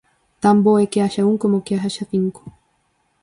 Tan bo é que haxa un como que haxa cinco.